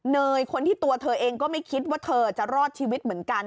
เนยคนที่ตัวเธอเองก็ไม่คิดว่าเธอจะรอดชีวิตเหมือนกัน